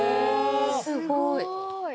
すごい！